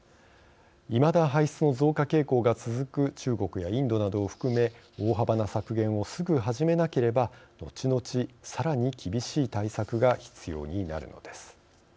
いまだ排出の増加傾向が続く中国やインドなどを含め大幅な削減を、すぐ始めなければ後々さらに厳しい対策が必要になるのです。